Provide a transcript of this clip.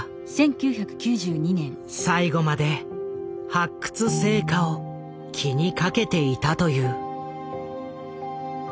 最後まで発掘成果を気にかけていたという。